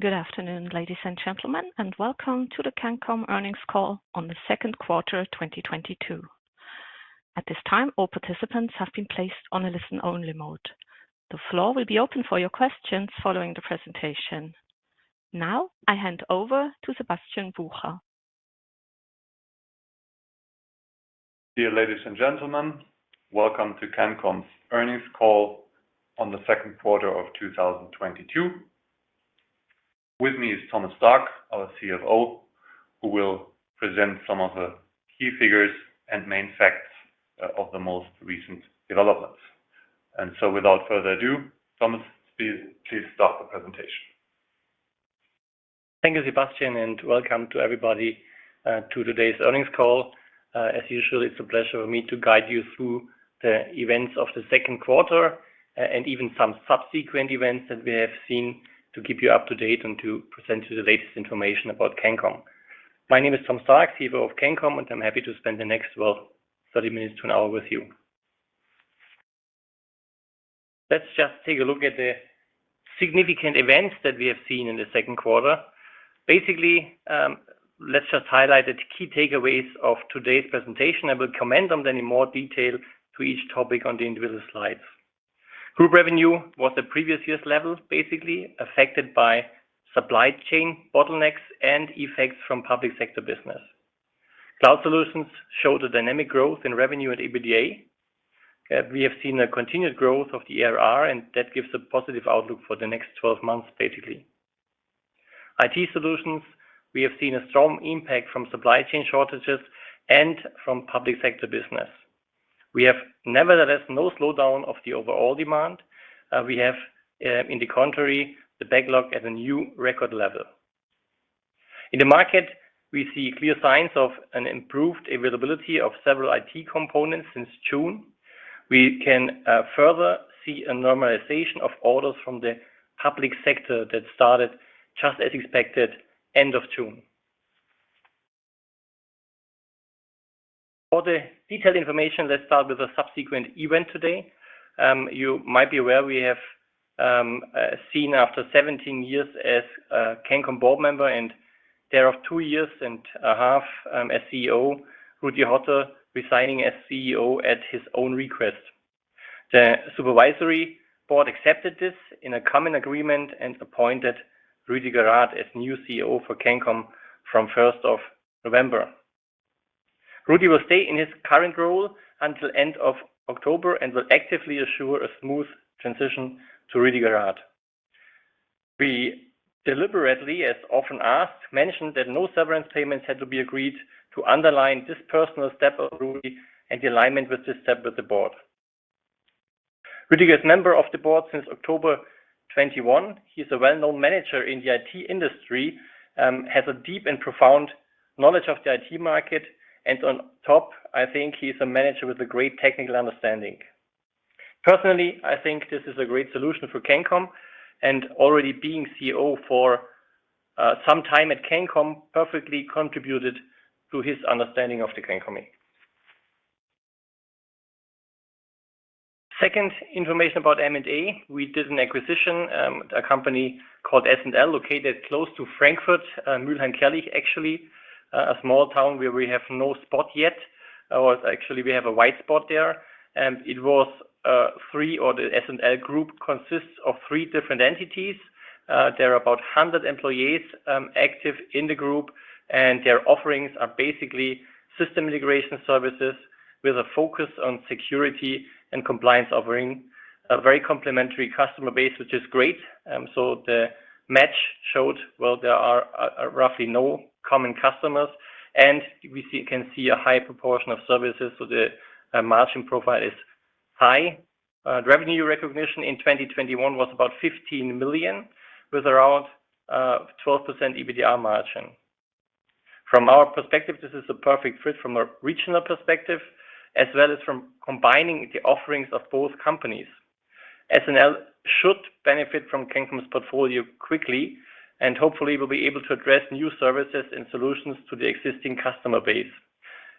Good afternoon, ladies and gentlemen, and welcome to the Cancom earnings call on the Q2 2022. At this time, all participants have been placed on a listen-only mode. The floor will be open for your questions following the presentation. Now I hand over to Sebastian Bucher. Dear ladies and gentlemen, welcome to Cancom's earnings call on the Q2 of 2022. With me is Thomas Stark, our CFO, who will present some of the key figures and main facts of the most recent developments. Without further ado, Thomas, please start the presentation. Thank you, Sebastian, and welcome to everybody to today's earnings call. As usual, it's a pleasure for me to guide you through the events of the Q2 and even some subsequent events that we have seen to keep you up to date and to present you the latest information about Cancom. My name is Thomas Stark, CFO of Cancom, and I'm happy to spend the next 30 minutes to an hour with you. Let's just take a look at the significant events that we have seen in the Q2. Basically, let's just highlight the key takeaways of today's presentation. I will comment on them in more detail to each topic on the individual slides. Group revenue was the previous year's level, basically affected by supply chain bottlenecks and effects from public sector business. Cloud solutions showed a dynamic growth in revenue at EBITDA. We have seen a continued growth of the ARR, and that gives a positive outlook for the next 12 months, basically. IT solutions, we have seen a strong impact from supply chain shortages and from public sector business. We have nevertheless no slowdown of the overall demand. We have, in the contrary, the backlog at a new record level. In the market, we see clear signs of an improved availability of several IT components since June. We can further see a normalization of orders from the public sector that started just as expected end of June. For the detailed information, let's start with a subsequent event today. You might be aware we have seen after 17 years as a Cancom board member and thereof two years and a half, as CEO, Rudolf Hotter resigning as CEO at his own request. The supervisory board accepted this in a common agreement and appointed Rüdiger Rath as new CEO for Cancom from first of November. Rudi will stay in his current role until end of October and will actively assure a smooth transition to Rüdiger Rath. We deliberately, as often asked, mentioned that no severance payments had to be agreed to underline this personal step of Rudi and the alignment with this step with the board. Rudi is member of the board since October 2021. He's a well-known manager in the IT industry, has a deep and profound knowledge of the IT market, and on top, I think he's a manager with a great technical understanding. Personally, I think this is a great solution for Cancom, and already being CEO for some time at Cancom perfectly contributed to his understanding of the Cancom. Second information about M&A. We did an acquisition, a company called S&L, located close to Frankfurt, Mülheim-Kärlich, actually, a small town where we have no spot yet. Actually, we have a white spot there. The S&L group consists of three different entities. There are about 100 employees active in the group, and their offerings are basically system integration services with a focus on security and compliance, offering a very complementary customer base, which is great. The match showed, well, there are roughly no common customers, and we can see a high proportion of services, so the margin profile is high. The revenue recognition in 2021 was about 15 million, with around 12% EBITDA margin. From our perspective, this is a perfect fit from a regional perspective, as well as from combining the offerings of both companies. S&L should benefit from Cancom's portfolio quickly and hopefully will be able to address new services and solutions to the existing customer base.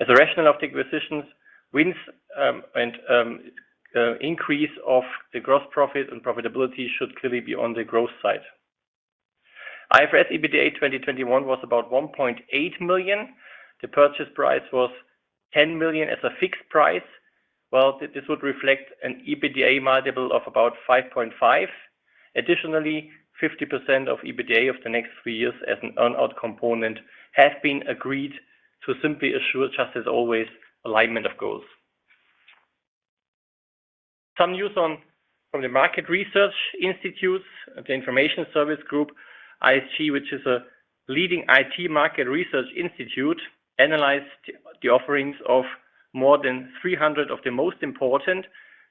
As a rationale of the acquisitions, wins, and increase of the gross profit and profitability should clearly be on the growth side. IFRS EBITDA 2021 was about 1.8 million. The purchase price was 10 million as a fixed price. Well, this would reflect an EBITDA multiple of about 5.5x. Additionally, 50% of EBITDA of the next three years as an earn-out component has been agreed to simply assure, just as always, alignment of goals. Some news from the market research institutes. The Information Services Group, ISG, which is a leading IT market research institute, analyzed the offerings of more than 300 of the most important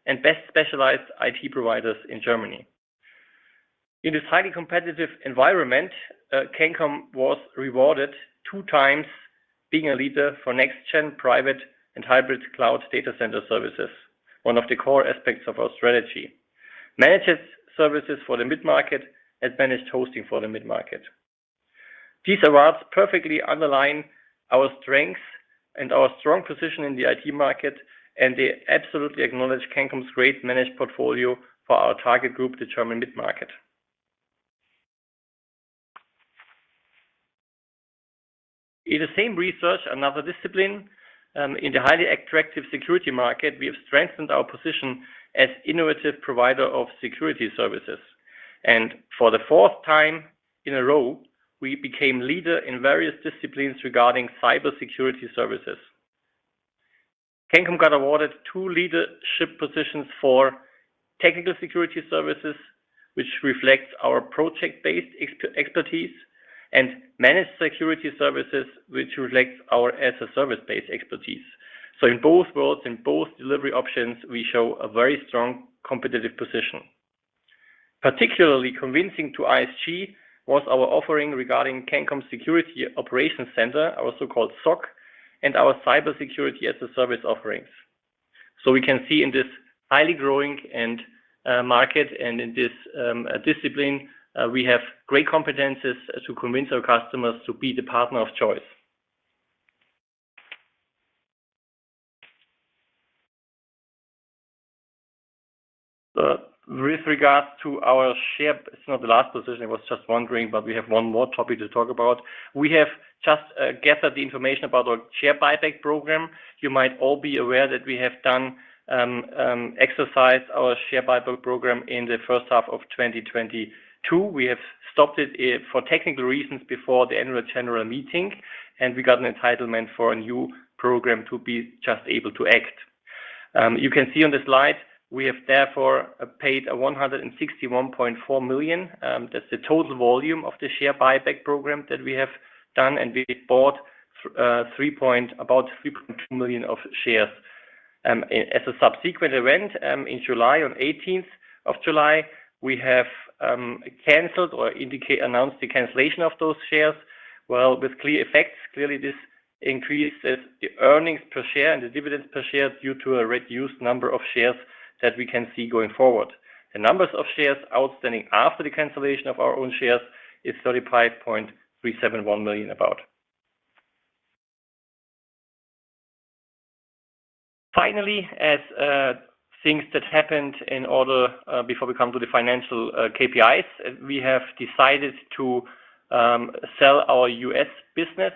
and best specialized IT providers in Germany. In this highly competitive environment, Cancom was rewarded 2x being a leader for next-gen private and hybrid cloud data center services, one of the core aspects of our strategy, managed services for the mid-market and managed hosting for the mid-market. These awards perfectly underline our strength and our strong position in the IT market, and they absolutely acknowledge Cancom's great managed portfolio for our target group, DACH Mid-market. In the same research, another discipline, in the highly attractive security market, we have strengthened our position as innovative provider of security services. For the fourth time in a row, we became leader in various disciplines regarding cybersecurity services. Cancom got awarded two leadership positions for technical security services, which reflects our project-based expertise, and managed security services, which reflects our as-a-service-based expertise. In both worlds, in both delivery options, we show a very strong competitive position. Particularly convincing to ISG was our offering regarding Cancom Security Operation Center, also called SOC, and our cybersecurity as a service offerings. We can see in this highly growing market and in this discipline we have great competencies to convince our customers to be the partner of choice. With regards to our share, it's not the last position, I was just wondering, but we have one more topic to talk about. We have just gathered the information about our share buyback program. You might all be aware that we have exercised our share buyback program in the first half of 2022. We have stopped it for technical reasons before the annual general meeting, and we got an entitlement for a new program to be just able to act. You can see on the slide; we have therefore paid 161.4 million. That's the total volume of the share buyback program that we have done, and we bought about 3.2 million of shares. As a subsequent event, in July, on the July 18th, we have announced the cancellation of those shares. Well, with clear effects, clearly this increases the earnings per share and the dividends per share due to a reduced number of shares that we can see going forward. The numbers of shares outstanding after the cancellation of our own shares is about 35.371 million. Finally, as things that happened in order before we come to the financial KPIs, we have decided to sell our U.S. business.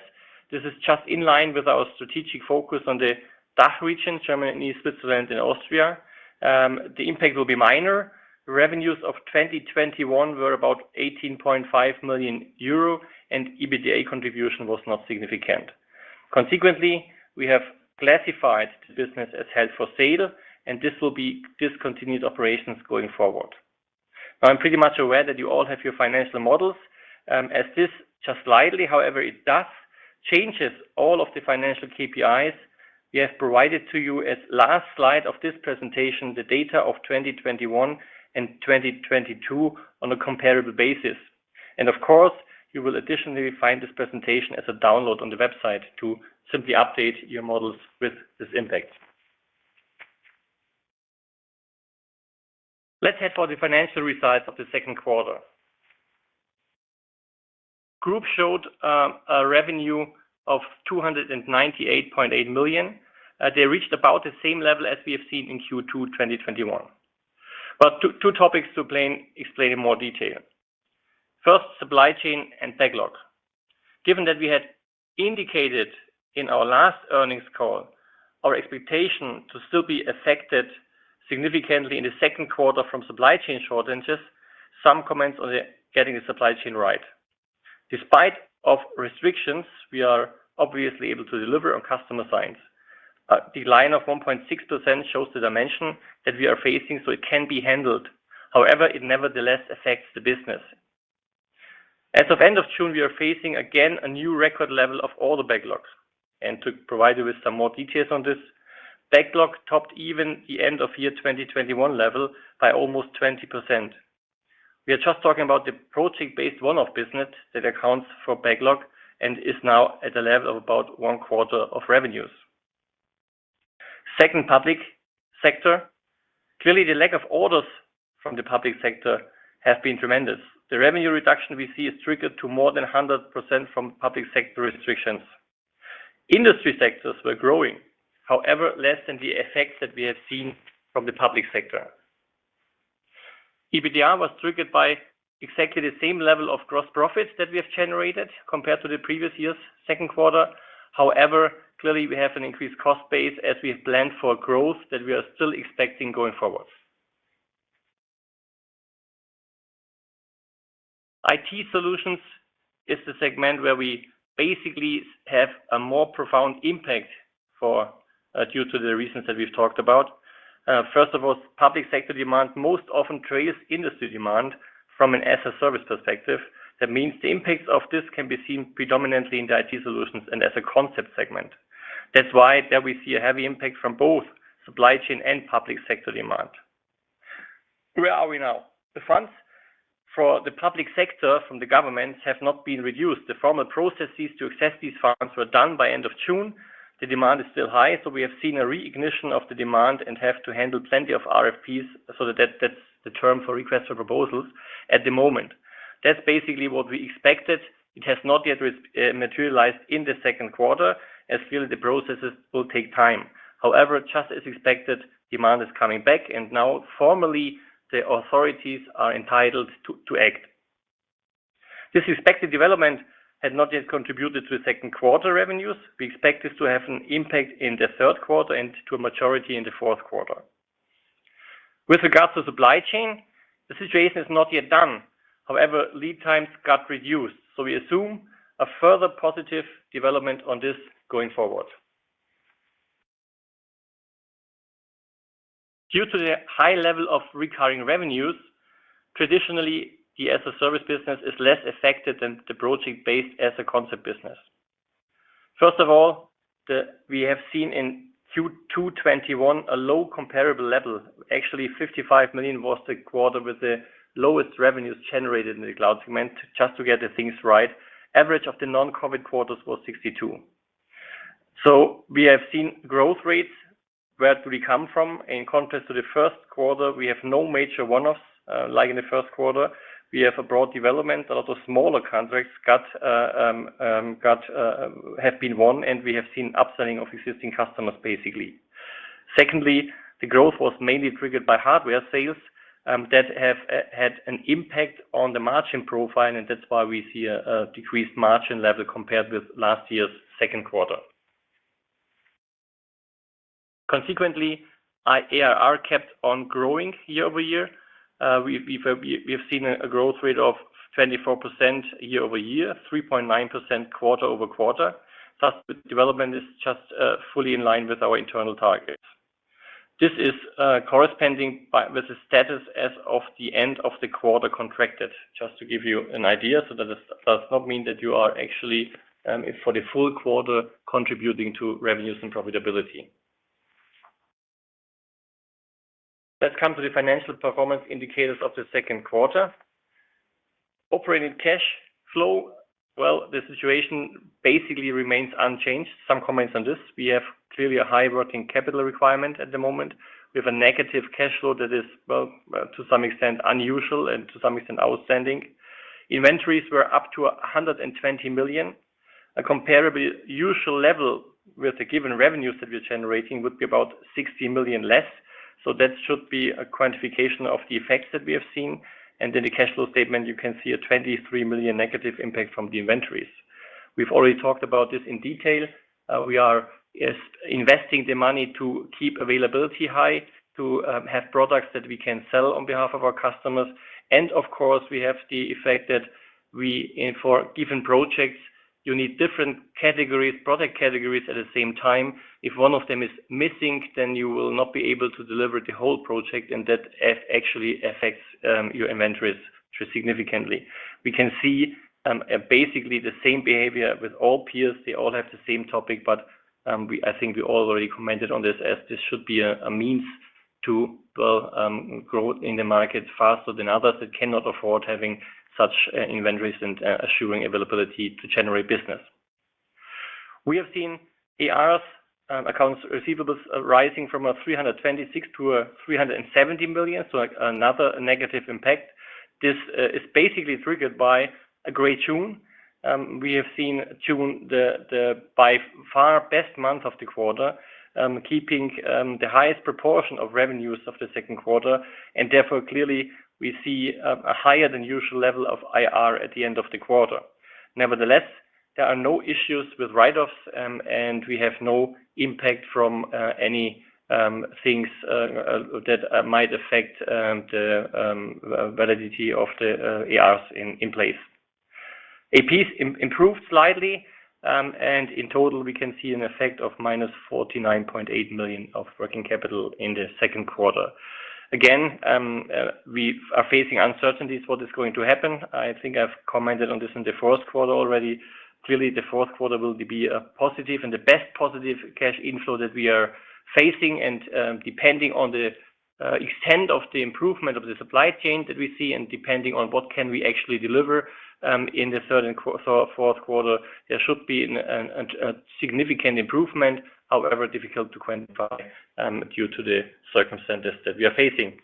This is just in line with our strategic focus on the DACH region, Germany, Switzerland, and Austria. The impact will be minor. Revenues of 2021 were about 18.5 million euro, and EBITDA contribution was not significant. Consequently, we have classified the business as held for sale, and this will be discontinued operations going forward. Now, I'm pretty much aware that you all have your financial models, as this just slightly, however it does, changes all of the financial KPIs. We have provided to you as last slide of this presentation, the data of 2021 and 2022 on a comparable basis. Of course, you will additionally find this presentation as a download on the website to simply update your models with this impact. Let's head for the financial results of the Q2. Group showed a revenue of 298.8 million. They reached about the same level as we have seen in Q2 2021. But two topics to explain in more detail. First, supply chain and backlog. Given that we had indicated in our last earnings call our expectation to still be affected significantly in the Q2 from supply chain shortages, some comments on the getting the supply chain right. Despite of restrictions, we are obviously able to deliver on customer sites. The line of 1.6% shows the dimension that we are facing, so it can be handled. However, it nevertheless affects the business. As of end of June, we are facing, again, a new record level of all the backlogs. To provide you with some more details on this, backlog topped even the end of 2021 level by almost 20%. We are just talking about the project-based one-off business that accounts for backlog and is now at a level of about one quarter of revenues. Second, public sector. Clearly, the lack of orders from the public sector have been tremendous. The revenue reduction we see is triggered to more than 100% from public sector restrictions. Industry sectors were growing, however, less than the effects that we have seen from the public sector. EBITDA was triggered by exactly the same level of gross profits that we have generated compared to the previous year's Q2. However, clearly, we have an increased cost base as we have planned for growth that we are still expecting going forward. IT solutions is the segment where we basically have a more profound impact for, due to the reasons that we've talked about. First of all, public sector demand most often trails industry demand from an as-a-service perspective. That means the impacts of this can be seen predominantly in the IT solutions and as-a-service segment. That's why there we see a heavy impact from both supply chain and public sector demand. Where are we now? The funds for the public sector from the government have not been reduced. The formal processes to access these funds were done by end of June. The demand is still high, so we have seen a re-ignition of the demand and have to handle plenty of RFPs, so that's the term for request for proposals at the moment. That's basically what we expected. It has not yet materialized in the Q2, as clearly the processes will take time. However, just as expected, demand is coming back, and now formally the authorities are entitled to act. This expected development has not yet contributed to the Q2 revenues. We expect this to have an impact in the third quarter and to a majority in the Q4. With regards to supply chain, the situation is not yet done. However, lead times got reduced, so we assume a further positive development on this going forward. Due to the high level of recurring revenues, traditionally, the as-a-service business is less affected than the project-based and consulting business. First of all, we have seen in Q2 2021 a low comparable level. Actually 55 million was the quarter with the lowest revenues generated in the cloud segment. Just to get the things right, average of the non-COVID quarters was 62 million. We have seen growth rates. Where do we come from? In contrast to the Q1, we have no major one-offs like in the Q1. We have a broad development. A lot of smaller contracts have been won, and we have seen upselling of existing customers, basically. Secondly, the growth was mainly triggered by hardware sales that have had an impact on the margin profile, and that's why we see a decreased margin level compared with last year's Q2. Consequently, ARR kept on growing year-over-year. We've seen a growth rate of 24% year-over-year, 3.9% QoQ. Thus, the development is just fully in line with our internal targets. This is corresponding with the status as of the end of the quarter contracted, just to give you an idea. That does not mean that you are actually for the full quarter contributing to revenues and profitability. Let's come to the financial performance indicators of the Q2. Operating cash flow, well, the situation basically remains unchanged. Some comments on this. We have clearly a high working capital requirement at the moment. We have a negative cash flow that is, well, to some extent unusual and to some extent outstanding. Inventories were up to 120 million. A comparable usual level with the given revenues that we're generating would be about 60 million less. That should be a quantification of the effects that we have seen. In the cash flow statement, you can see a 23 million negative impact from the inventories. We've already talked about this in detail. We are yes, investing the money to keep availability high, to have products that we can sell on behalf of our customers. Of course, we have the effect that and for given projects, you need different categories, product categories at the same time. If one of them is missing, then you will not be able to deliver the whole project, and that actually affects your inventories significantly. We can see basically the same behavior with all peers. They all have the same topic, but I think we all already commented on this as this should be a means to, well, grow in the market faster than others that cannot afford having such inventories and assuring availability to generate business. We have seen ARs, accounts receivables rising from 326 million to 370 million, so another negative impact. This is basically triggered by a great June. We have seen June, the by far best month of the quarter, keeping the highest proportion of revenues of the Q2, and therefore, clearly, we see a higher than usual level of AR at the end of the quarter. Nevertheless, there are no issues with write-offs, and we have no impact from any things that might affect the validity of the ARs in place. APs improved slightly, and in total, we can see an effect of -49.8 million of working capital in the Q2. Again, we are facing uncertainties what is going to happen. I think I've commented on this in the first quarter already. Clearly, the fourth quarter will be a positive and the best positive cash inflow that we are facing. Depending on the extent of the improvement of the supply chain that we see, and depending on what we can actually deliver, in the Q3 and Q4, there should be a significant improvement. However, difficult to quantify due to the circumstances that we are facing.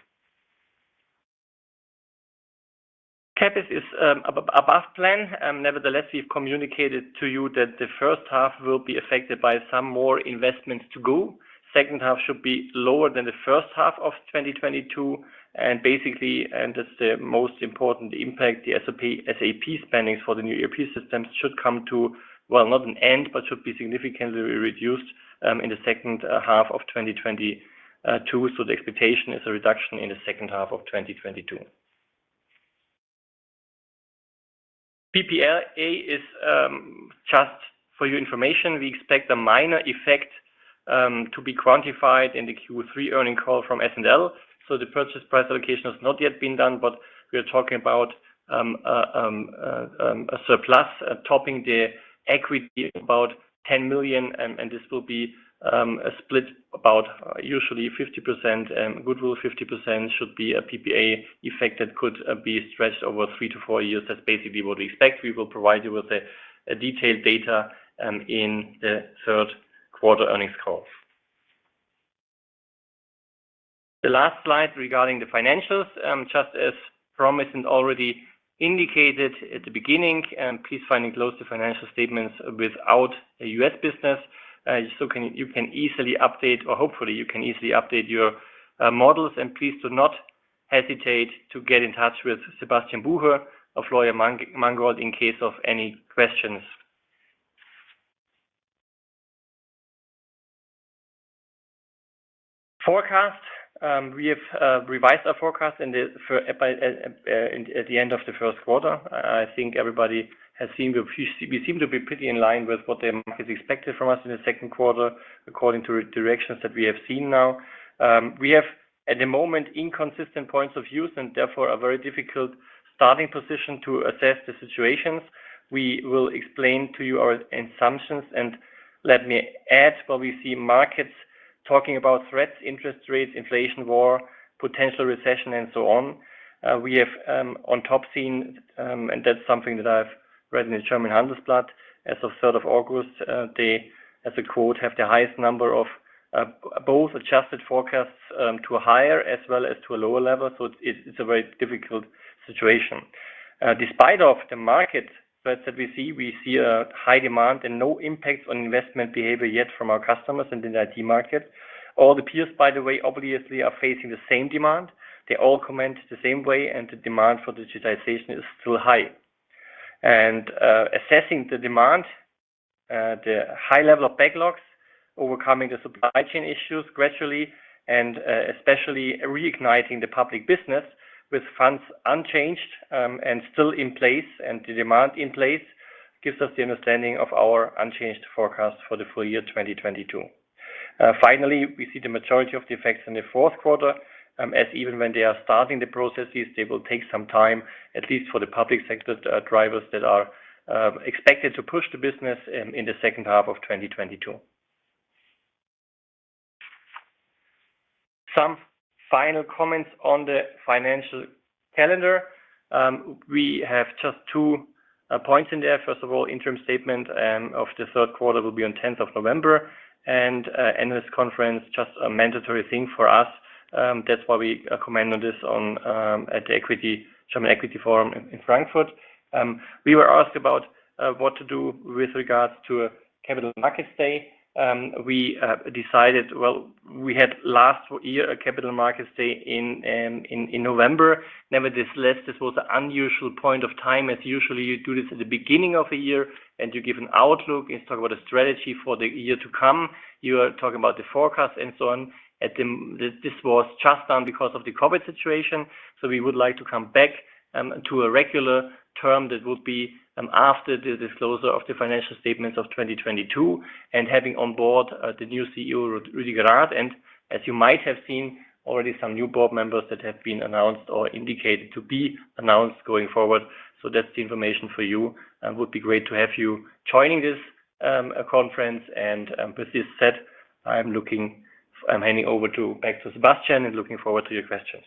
CapEx is above plan. Nevertheless, we've communicated to you that the first half will be affected by some more investments to go. Second half should be lower than the first half of 2022. Basically, and that's the most important impact, the SAP spending for the new ERP systems should come to, well, not an end, but should be significantly reduced, in the second half of 2022. The expectation is a reduction in the second half of 2022. PPA is just for your information. We expect a minor effect to be quantified in the Q3 earnings call from S&L. The purchase price allocation has not yet been done, but we are talking about a surplus topping the equity of about 10 million, and this will be split about usually 50% goodwill. 50% should be a PPA effect that could be stretched over three to four years. That's basically what we expect. We will provide you with the detailed data in the Q3 earnings call. The last slide regarding the financials, just as promised and already indicated at the beginning, please find enclosed the financial statements without a U.S. business. You can easily update or hopefully you can easily update your models, and please do not hesitate to get in touch with Sebastian Bucher or Florian Mangold in case of any questions. Forecast. We have revised our forecast at the end of the Q1. I think everybody has seen we seem to be pretty in line with what the market expected from us in the Q2, according to indications that we have seen now. We have, at the moment, inconsistent points of view and therefore a very difficult starting position to assess the situations. We will explain to you our assumptions and let me add where we see markets talking about threats, interest rates, inflation, war, potential recession, and so on. We have on top seen, and that's something that I've read in the German Handelsblatt as of third of August, they as a quote, "have the highest number of both adjusted forecasts to a higher as well as to a lower level." It's a very difficult situation. Despite of the market that we see, we see a high demand and no impact on investment behavior yet from our customers and in the IT market. All the peers, by the way, obviously are facing the same demand. They all comment the same way, and the demand for digitization is still high. Assessing the demand, the high level of backlogs, overcoming the supply chain issues gradually, and especially reigniting the public business with funds unchanged, and still in place and the demand in place gives us the understanding of our unchanged forecast for the full year 2022. Finally, we see the majority of the effects in the Q4, as even when they are starting the processes, they will take some time, at least for the public sector, drivers that are expected to push the business in the second half of 2022. Some final comments on the financial calendar. We have just two points in there. First of all, interim statement of the Q3 will be on 10th of November. Analyst conference, just a mandatory thing for us, that's why we commented this on at the German Equity Forum in Frankfurt. We were asked about what to do with regards to a capital markets day. We decided. Well, we had last year a capital markets day in November. Nevertheless, this was an unusual point of time, as usually you do this at the beginning of a year, and you give an outlook and talk about a strategy for the year to come. You are talking about the forecast and so on. This was just done because of the COVID situation. We would like to come back to a regular term that would be after the disclosure of the financial statements of 2022 and having on board the new CEO, Rüdiger Rath. As you might have seen already some new Board members that have been announced or indicated to be announced going forward. That's the information for you, and would be great to have you joining this conference. With this said, I'm handing over back to Sebastian Bucher and looking forward to your questions.